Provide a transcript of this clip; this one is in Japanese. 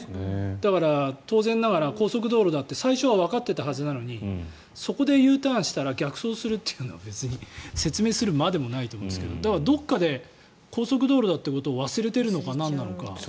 だから、当然ながら高速道路だって最初はわかっていたはずなのにそこでＵターンしたら逆走するというのは別に説明するまでもないと思うんですけどだから、どこかで高速道路だということを忘れているのかなんなのか。